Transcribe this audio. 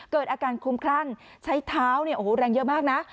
เกิดอาการคุ้มคลั่งใช้เท้าเนี่ยโอ้โหแรงเยอะมากนะ